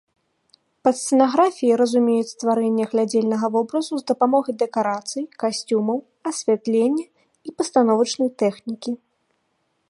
Пад сцэнаграфіяй разумеюць стварэнне глядзельнага вобразу з дапамогай дэкарацый, касцюмаў, асвятлення і пастановачнай тэхнікі.